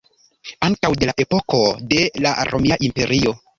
Ankaŭ de la epoko de la Romia Imperio.